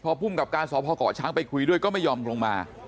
พอภูมิกับการสพเกาะช้างไปคุยด้วยก็ไม่ยอมลงมา